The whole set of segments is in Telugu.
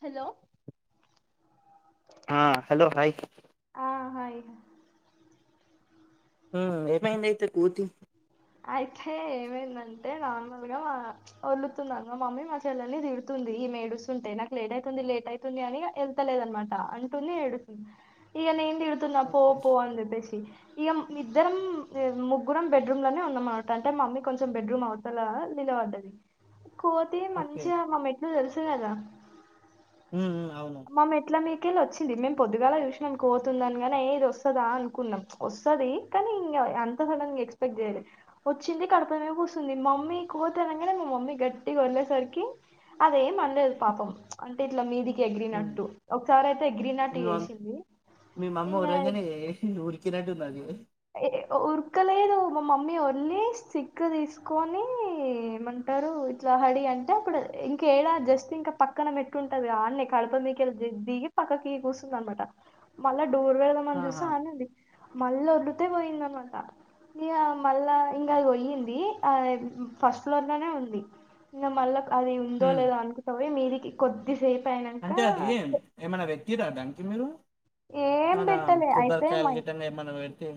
హలో ఆ హలో హాయ్ ఆ హాయ్ ఆ ఏమైంది అయితే కోతి అయితే ఏమైందంటే నార్మల్ గా మా ఒల్లుతుంది మా మమ్మీ మా చెల్లెల్ని తిడుతుంది ఈమే ఏడుస్తుంటే నాకు లేట్ అయితుంది లేట్ అయి తుంది అని ఎల్ల్తలేదు అనమాట అంటుంది ఏడుతుంది ఇగ నేను తిడ్ తున్న పో ఓకే పో అని చెప్పేసి ఇగ ఇద్దరం ముగ్గురం బెడ్రూమ్ లోనే ఉన్ ఇంగ మాటంటే మమ్మీ కొంచెం బెడ్రూమ్ అవతలా నిల పడ్డది కోతి ఓకే మంచిగా మమ్ మ్మ్ తెల్సు కదా మ్మ్ మ్మ్ అవును మా మెట్లమీకెళ్లి వచ్చింది మేము పొద్దుగల చూసినం కోతి ఉందనగానే ఏ ఇది వస్తదా అనుకున్నాం వస్తది కానీ ఇంగ అంత సడన్ ఎక్స్పెక్ట్ చేయ్యాలె వచ్చింది గడప మీద కూసుంది మమ్మీ కోతనంగానే మా మమ్మీ గట్టిగా ఒళ్ళేసరికి అదేం అనలేదు పాపం అంటే ఇట్ల మీదికి ఉమ్ ఎగిరినట్టు ఒకసారి అయితే ఎగిరినట్టు మీ చేసింది ఇంగ చేసిండు ఊ కిర్ అంటున్నది ఇది ఏ ఏ ఊ ఉరకలేదు మా మమ్మీ వళ్లి స్టిక్ తీసుకొని మ ఉంటారు ఇట్ల హడీ అంటే అప్పుడు ఇంక ఏడా జస్ట్ ఇంకా పక్కన పెట్టుంటుంది అన్నే కడప మీక దిగి పక్కకి కూసుంది అనమాట మళ్ళా డోర్ వెళ్దామని ఆహా చూస్తే అన్నే ఉంది మాల్లో [unintelligible] త్తే పోయింది అనమాట ఇగ మళ్ళా ఇంగ అది పొయ్యింది ఆ ఫస్ట్ ఫ్లోర్ లోనే ఉంది ఇంగ మళ్ళా అది ఉందో ఉమ్ లేదో అనుకుంట పోయి మీదికి కొద్దిసేపు అయినంక ఏమన్న పెట్టిర్ర దానికి మీరు ఏం నాద పెట్టలే అయితే కొబ్బరికాయలు మా గిట్ల ఏమైనా పెడితే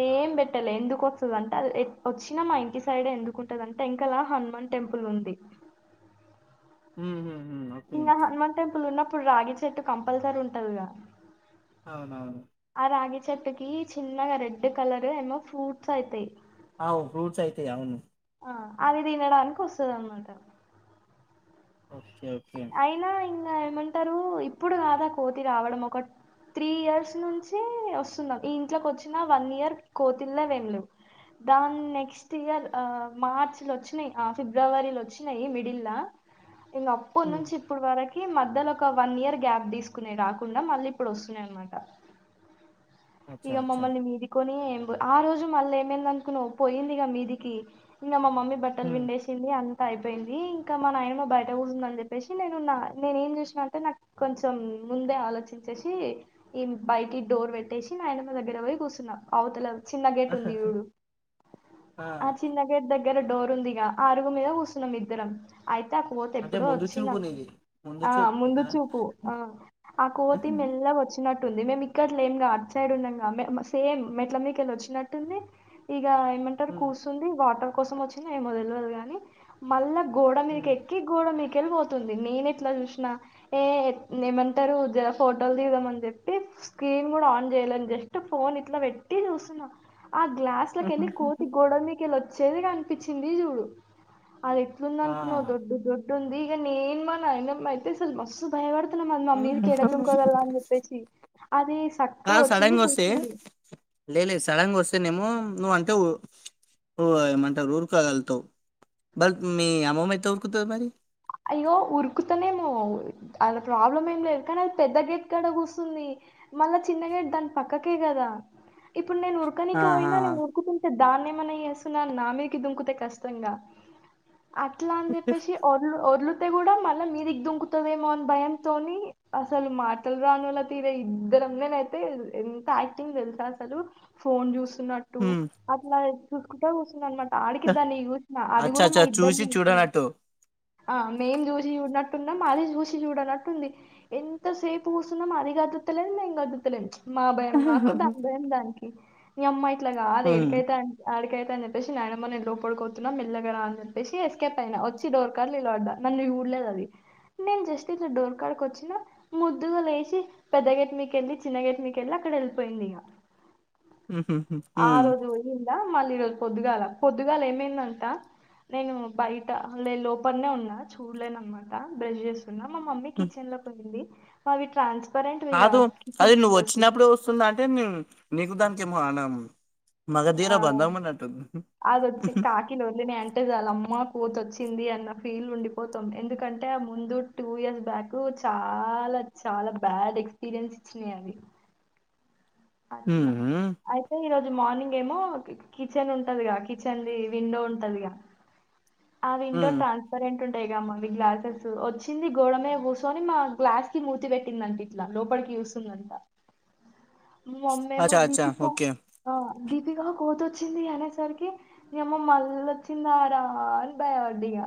ఏం పెట్టాలె ఎందుకు వస్తద అంటే అ వచ్చినా మా ఇంటి సైడ్ ఎందుకు ఉంటదింటే వెనకాలా హనుమాన్ టెంపుల్ ఉంది మ్మ్ హు హు హు ఓ ఇంకా హనుమన్ టెంపుల్ ఉన్నప్పుడు రావి చెట్టు కంపల్సరీ ఉంటదిగా అవునవును ఆ రాగి చెట్టుకి చిన్నగా రెడ్ కలర్ ఏమో ఫ్రూట్స్ అయితాయి అవు ఫ్రూట్స్ అయితయి అవును ఆ అది తినడానికి వస్తది అన్నమాట ఓకే ఓకే అయినా ఇంకా ఏమంటారు ఇప్పుడు కాదా కోతి రావడం ఒక త్రీ ఇయర్స్ నుంచి వస్తున్నాం ఈ ఇంట్లోకి వచ్చిన వన్ ఇయర్ కోతిల్లేవ్ వేమిలేవ్ దాన్ నెక్స్ ెస్ట్ ఇయర్ మార్చ్ లోచ్చినాయి ఫిబ్రవరిలోచ్చినాయి మిడిల్ల అప్పడు ఉమ్ నుంచి ఇప్పటి వరకి మధ్యలో ఒక వన్ ఇయర్ గ్యాప్ తీసుకునే కాకుండా మళ్ళీ ఇప్పుడు వస్తున్నాయి అనమాట అచ్చా ఇగ అచ్చా మమ్మల్ని మీది కొని ఆ రోజు మళ్ళ ఏమైంది అనుకున్నావ్ పోయిందిగా మీదికి ఇంకా మా మమ్మీ బట్టలు ఉమ్ పిండేసి ి అంత అయిపోయింది ఇంకా మా నాయమ బయట కూసుందని చెప్ చెప్పేసి నేనున్న నేను ఏం చేసిన అంటే నాకు కొంచెం ముందే ఆలోచించేసి ఈ బయటికి డోర్ పెట్టేసి నాయనమ దగ్గర పోయి కూర్చున్నా అవ్తల చిన్న గేట్ ఉంది చుడు ఆ చిన్న గేట్ దగ్గర డోర్ ఉందిగా అ అరుగు మీద కూర్స్తున్నాం ఇద్దరం అయితే అ కోతి అంటే ముందు ఎప్పుడోచ్ చూపు నీది ముందు ఆ చూపు ముందు కదా చూపు ఆ కోతి మెల్ లా వచ్చినట్టుంది మేము ఇక్కట్ లేము గా అట్ సైడ్ ఉన్నాంగా సేమ్ మెట్ల మీకేలీ వచ్చినట్టుంది ఇగా ఏమన్ తారు ఉమ్ కూసుంది వాటర్ కోసం వచ్చిందో ఏమో తెలువదు కని మళ్ళ గోడ మిద్ ఉమ్ క్కి గోడ మీకేల్ పో ంది నేను ఎట్లా చూసినా ఏ ఏమంటారు జరా ఫోటోలు దిగుదాం అని చెప్పి స్క్రీన్ కూడా ఆన్ చేయాలేను జస్ట్ ఫోన్ ఇట్లా పెట్టి చూస్తున్నా ఆ గ్లా స్లకెళ్ళి కోతి గోడ మీకిెళ్ళి వచ్చేది కనిపించింది చూడు అది ంద అనుకున్నావ్ ఆ దొడ్డు దొడ్డు ఉంది ఇగ నేనుమా నాయనమ్మ అయితే అసలు మస్తు భయపడుతున్నాం అది మ మీడికెళ్లి ఎడదుంకగల్ల అని చెప్పేసి అది సక్కగా కాదు వచ్చింది సడన్ గా వస్తే కూర్చుంది లే లేదు సడన్ గా వస్తేనేమో నువ్వు అంటే ఊ ఏమంటారు ఊరుకగలుగుతావ్ మరి మీ అమ్మమ్మ ఎట్ల ఊరుకుతది మరి అయ్యో ఉరుకుతానేమో అళ్ళ ప్రాబ్లం ఏం లేదు కానీ అది పెద్ద గేట్ కడ కూసుంది మళ్ళా చిన్నగెట్ దాని పక్కకే కదా ఇప్పుడు నేను ఉరకనీకి ఆహా పోయినా నేను ఉరుకుతు దాన్ని ఏమన్నా చేస్తున్నా నా మీనికి దుంకుతే కష్టంగా అట్లా అని చెప్పేసి వదిలితే కూడా మళ్ళ మీదికి దుంకుతదేమో అని భయంతోని అసలు మా టలు రానోల్ల తీరే ఇద్దరం నినైతే ఎంత యాక్టింగ్ తెలుసా అసలు ఫోన్ చూస్తున్నట్ మ్ అట్లా చూసుకుంట కూసుందన్నమాట ఆడికిద్దాన్ని చూసిన అది అచ్చా కూడా మా అచ్చా చూసి ఇద్దరిని చూసింది చూడనట్టు ఆ మేం చూసి చూడనట్టున్నం అది చూసి చూడనట్టుంది ఎంతసేపు కూసున్నం అది కదుల్త లేదు మేం కదుల్త లేం మా భయం మాకు దాని భయం దానికి నియమ్మా ఇట్ల కాదు ఉమ్. ఎడికైతె అడ్ ఆడికైయితే అని చెప్పిసి నయనమ్మ నీను లోపటికి పోతున్నా మెల్లగరా అని చెప్పేసి ఎస్కేప్ అయినా వచ్చి డోర్ కడ నిలపడ్డ నన్ను చుడలేదు అది నేను జస్ట్ ఇట్లా డోర్ కాడకోచ్చినా ముద్దుగలేచ్చి పెద్ద గేట్ మీదికెళ్ళి చిన్న గేట్ మీదికెళ్ళి అక్కడ వెళ్ళిపోయింది ఇగా ఉమ్. ఉమ్. ఆరుట్లు ఉందా మళ్ళీ ఈరోజు పొద్దుగాల పొద్దుగాల ఏమైందంట నేను బయట వేలే లోప ఇక్కనే ఉన్నా చూడలే అన్నమాట బ్రష్ చేస్తున్న మా మమ్మీ కిచెన్ లో పోయింది అవి ట్రాన్స్ కాదు అది నువ్వు వచ్చినప్పుడే వస్తుందంటే నీకు దానికిమో అన్నాదములు మగధీర ఆ బంధం అని అంటుంది ఉహు కి అని ఓరినాయ్యి అంటే చాలు అమ్మ కోతి వచ్చింది అన్న ఫీల్ ఉండిపోతం ఎందుకంటే ఆ ముందు టూ ఇయర్స్ బ్యాక్ చాలా చాలా బ్యాడ్ ఎక్స్పీరియన్స్ ఇచ్చినాయి అవి అట్లా ఉమ్. అయి అయితే ఈ రోజు మార్నింగ్ ఏమో కిచెన్ ఉంటదిగా కిచెన్ది విండో ఉంటది గా ఆ విండో ట ఉమ్. ట్రాన్స్పరెంట్ ఉంటాయిగా మవి గ్లాసెస్ వచ్చింది గోడమీద కూసుకొని మా గ్లాస్ కి మూతి పెట్టిందండి ఇట్లా లోపలికి వస్తుందంతా మా మమ్మీ ఏమో అచ్చా అచ్చా దీపిక ఓకే ఆ దీపిక కోతి వచ్చింది అనేసరికి ని అమ్మ మళ్ళ వచ్చిందరా ఆన్ బ్యాడ్ గా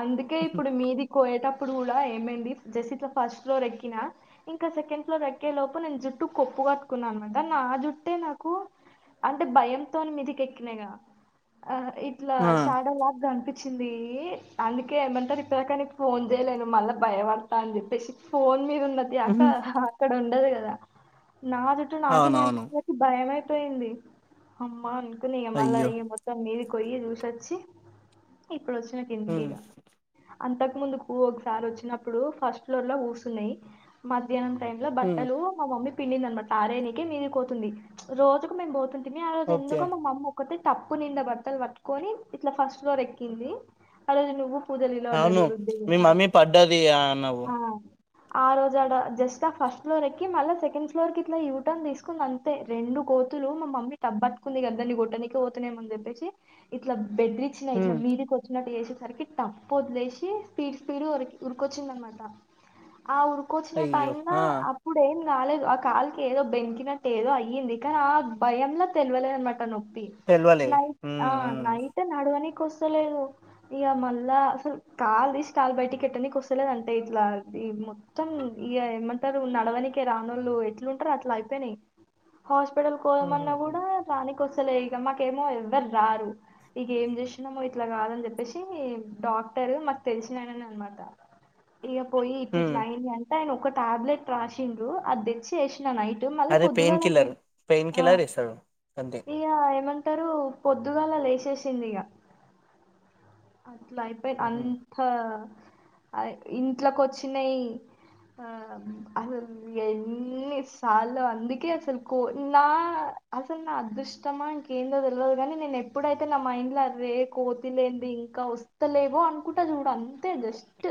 అందుకే ఇప్పుడు మీది పోయేటప్పుడు కూడా ఏమడి జస్ట్ ఇట్లా ఫస్ట్ ఫ్లోర్ ఎక్కిన ఇంకా సెకండ్ ఫ్లోర్ ఎక్కే లోపు నేను జుట్టు కొప్పు కట్టుకున్నా అనమాట నా జుట్టే నాకు అంటే భయంతో మీదికి ఎక్కినగా ఆ ఇట్లా ఆ. షాడ లాగా కనిపి వచ్చింది అందుకే ఏమంటారు ఇప్పటికా నీకు ఫోన్ చేయలేను మళ్ళీ భయపడతా అని చెప్పేసి ఫోన్ మీదా ఉన్న ధ్యాస ఉమ్. అక్కడ ఉండదు కదా నా జుట్టు నాకే అవునవును కనిపించే సరికి భయమైయి పోయింది అమ్మా అనుకుని మళ అయ్యో మీది పోయ్యి చూసొచ్చి ఇప్పుడు వచ్చిన కిందికిీ ఉమ్. ఇగా అంతకు ముందుకు ఒకసారి వచ్చినప్పుడు ఫస్ట్ ఫ్లోర్ లో కూర్సున్నాయి మధ్యాహ్నం టైమ్ లా ఉమ్. బట్టలు మా మమ్మీ పిండింది అనమాట ఆరయనికి మీది పోతుంది రోజుకు మేము పోతుంటిమి ఆ రోజు ఓకే ఎందుకు మా మమ్మీ ఒకతే టప్పు నిండా బట్టలు పట్టుకొని ఇట్లా ఫస్ట్ ఫ్లోర్ ఎక్కింది ఆ రోజు నువ్వు పూజలు ఇలా అవును డరుడు దేవి మీ ఆడ మమ్మీ పడ్డది అన్నావు ఆ ఆ రోజు అడా జస్ట్ ఆ ఫస్ట్ ఫ్లోర్ ఎకి మళ్ళా సెకండ్ ఫ్లోర్ కి ఇట్లా యూటర్న్ తీసుకుంది అంతే రెండు కోతులు మా మమ్మీ టబ్బట్ కుంది దాన్ని కోట్టనికి పోతున్నాయమని చెప్పేసి ఇట్లా బెదిరించినాయి ఇట్లా హ్మ్. మీదికి వచ్చినట్టు చేసేసరికి టప్పు వదిలేసి స్పీడ్ స్పీడ్ ఉరికి ఉరికొచ్చింది అనమాట ఆ ఊరుకోచ్చిన అయ్యో టైమ్ ఆ ఇప్పుడు ఏం కాలేదు ఆ కాల్కి ఏదో బెనికినట్టు ఏదో అయ్యింది కానీ ఆ భయంలో తెలియలేదనమాట నోపి పి తెల్వలే ఉమ్ నైట్ నడవనీకి వస్తలేదు ఇగా మళ్ళా అసలు కాల్ తీష్ కాల్ బయటి పెట్టనీకి వస్తలేదు అంటే ఇట్లా ఇది మొత్తం మొత్తం ఇగా ఏమంటారు నడ్ పడవనికే రాను వాళ్ళు ఎట్లుంటారు అట్లా అయిపోయినాయి హాస్పిటల్ కి పోదమన్నా ఉమ్ కూడా రానికి వస్తలే ఇక మాకేమో ఎవ్వరు రారు ఇగా ఏం చేసినం ఇట్లా కాదని చెప్పేసి డాక్టర్ మాకు తెలిసినాయినానే అనమాట [unintelligible] ఇగా పోయి ఇట్ ఉమ్ ఇట్లా అయింది అంటే ఆయన ఒక టాబ్లెట్ రాసిండ్రు అది తెచ్చి ఏసిన నైట్ మళ్ళా అదే పెయిన్ పొద్దుగాల కిల్లర్ పెయిన్ ఆ కిల్లర్ ఇస్తాడు అంతే ఈ ఇగా ఏమంటారు పొద్దుగాలా లేసేసింది ఇగా అట్లా అయిపోయిన అం హుహు. ఆ ఇంట్లోకి వచ్చినాయి ఆ అసల్ ఎన్నిసార్లు అందుకే అసలు కోన్నా అసలు నా అదృష్టమా ఏందో తెలవదు కానీ నేను ఎప్పుడైతే నా మైండ్ లో అరే కోతి లేంది ఇంకా వస్ వస్తాలేవు అనుకుంటా చూడన్ జస్ట్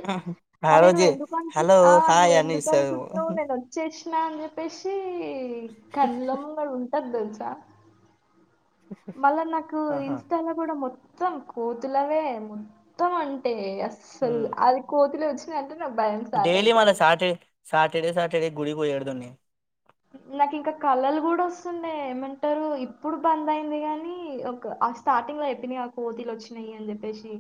ఆ మరే నువ్ రోజే ఎందుకు అనుకుంటు హలో ఆ నువ్ హాయ్ అని ఎందుకు ఇస్తాడు అనుకుంటు వచ్చేసిన అని చెప్పేసి కండ్ల ముంగిట ఉన్ ఉన్నది తెలుసా మళ్ళా నాకు ఇన్స్టాలో కూడా మొ మొత్తం కోతులవే మొత్తం అంటే అస్సలు ఉమ్ అది కోతులే వచ్చిన వచ్చినాయ్ అంటే నాకు భయం స్టార్ట్ అయితాది అటే సాటర్డే సాటర్డే గుడికి పోయే పోయేవాడిదినీ నాకు ఇంకా కళలు కూడా వస్తుండే ఏమంటారు ఇప్పుడు బంద్ అయింది గానీ ఒక స్టార్టింగ్ లో చెప్పిన గా కోతి లు వచ్చినాయి అని చెప్పేసి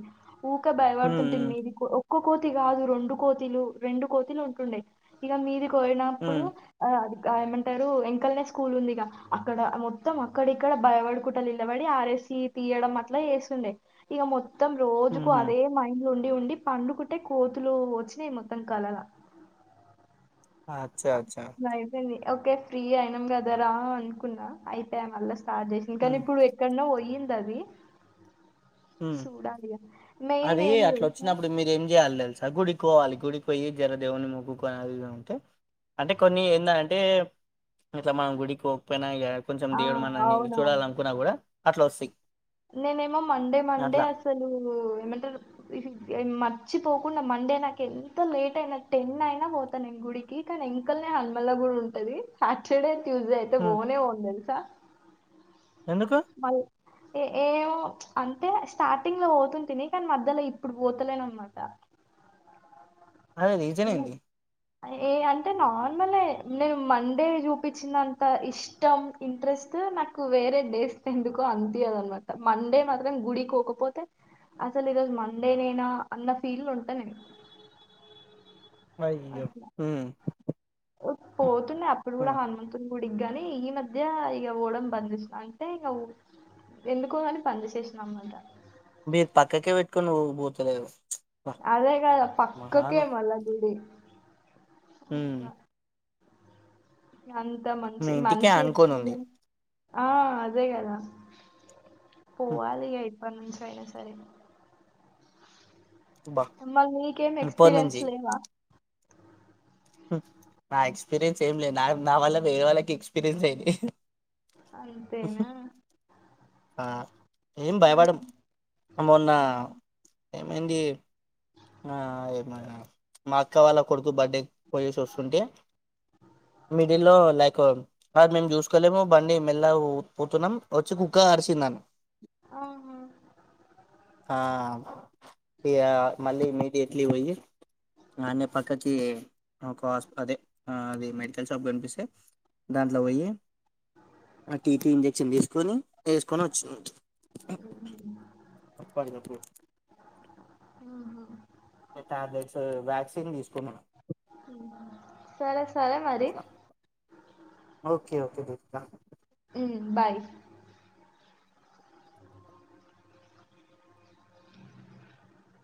ఊకే ఉమ్ భయపడుతుంటేమి మీది ఒక్క కోతి కాదు రెండు కోతులు రెండు కోతులు ఉంటుండే ఇక మీది కోయినప్పుడు ఉమ్ ఆ అది ఆ ఏమంటారు వెంకాల్నే స్కూల్ ఉందిగా అక్కడ మొత్తం అక్కడక్కడ భయపడుకుంటా నిలబడి ఆర్ఎస్ సీ తియ్యడం అట్లా చేస్తుండే ఇక మొత్త మొత్తం రోజుకు ఉహు అదే మైండ్ లో ఉండి ఉండి పండుకుంటే కోతులు వచ్చినాయి మొత్తం కలగా అచ్చా అచ్చా అయిపోంది ఓకే ఫ్రీ అయినాం కదా రా అనుకున్నా అయితాయి మళ్ళా స్టార్ట్ చేసింది ఇంకాను ఉమ్ ఇప్పుడు ఎక్కడునో పోయింది అది మ్మ్ చూడాలి ఇగ. మెయిన్ అది ఏంది అట్లా తెలుసా? వచ్చినప్పుడు మీరేం చెయ్యాలి తెలుసా గుడికి పోవాలి గుడికి పోయి జరదేవుని మొక్కోకొని అది ఇది ఉంటే కొన్ని ఏంది అంటే ఇట్లా మనం గుడికి పోకపోయినా ఇగ కొంచెం ఆ! దేవుడు మనల్ని అవునవును. చూడాలనుకున్నా కూడా అట్లా వస్తాయ్ నేనేమో మండే మండే అసలు ఏమంటారు మర్చిపోకుండా మండే నాకు ఎంత లేట్ అయినా టెన్ అయినా పోతా నేను గుడికి కానీ ఇంకల్నే హనుమన్ ల గుడి ఉంటాది సాటర్డే ట్యూస్డే అయితే హ్మ్. పోనే పోను తెలుసా ఎందుకు మళ్ ఏ ఏమో అంటే స్టార్టింగ్ లో పోతుంటినీ కానీ మధ్యలో ఇప్పుడు పోతలేను అనమాట అదే రీజన్ ఇవెన్ ఏంది ఏ అంటే నార్మలే నేను మండే చూపించినంత ఇష్టం ఇంట్రెస్ట్ నాకు వేరే డేస్ లో ఎందుకో అనిపియదు అనమాట మండే మాత్రం గుడికి పోకపోతే అసలు ఈరోజు మండే నేనా అన్న ఫీల్ లో ఉంటా నేను అయ్యో అట్లా హ్మ్, ఓ పోతుండే అప్పుడు కూడా హ్మ్. హనుమన్ గుడికిగానీ ఈ మధ్య ఇగ పోవడం బంద్ చేసిన అంటే ఇంగా ఎందుకో గాని అని బంద్ చేసిన అనమాట మీర్ పక్కకే పెట్టుకొని పోతలేవు అదే కదా పక్కకే మళ్ళా గుడి మ్మ్ అంతా మంచి మీ ఇంటికే మంచి అనుకోని ఉంది ఎక్స్పీరియన్స్ ఆ అదే కదా హ్మ్, పోవాలి ఇగ ఇప్పటి నుంచి అయిన సరే అబ్బా మళ్ నీకేం ఇప్పటి ఎక్స్పీరియన్స్ నుంచి లేవా నా ఎక్స్పీరియన్స్ ఏం లేవ్ నావి నా వల్ల వేరే వాళ్ళకి ఎక్స్పీరియన్స్ అయినాయ్ అంతేనా ఆ ఏం ఉహు. భయపడకు మొన్న ఏమైంది. ఆ ఏమ మా అక్క వాళ్ళ కొడుకు బర్త్డే పోయేషి వోస్తుంటే మిడిల్లో లైక్ అదు మేము చూసుకోలేము బండి మెల్లగా పోతున్నాం వచ్చి కుక్క గరిశింది నన్ను ఆహ ఆ ఇగ మల్లి ఇమిడిఎట్లీ పోయి ఆన్నే పక్కకి ఒక హస్ప అదే అది మెడికల్ షాప్ కనిపిస్తే దాంట్లో పోయి ఆ టీటీ ఇంజక్షన్ తీసుకొని ఏసుకొని వోచ్చినం. పై దప్పు ఉహు. టాబ్లెట్స్ వ్యాక్సిన్ తీసుకున్నా అహా సరే సరే మరి అట్లా ఓకే ఓకే ద ఊ బాయ్